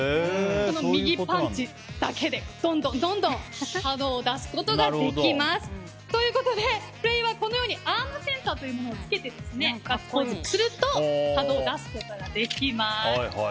この右パンチだけで、どんどん波動を出すことができます。ということで、プレーはこのようにアームセンサーというものをつけてガッツポーズをすると波動を出すことができます。